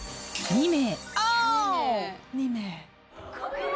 ２名。